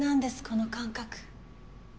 この感覚。